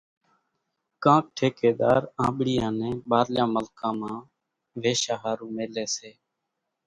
ڪاڪ ٺيڪيۮار آنٻڙيان نين ٻارليان ملڪان مان ويشا ۿارُو ميليَ سي۔